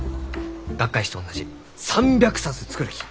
学会誌と同じ３００冊作るき！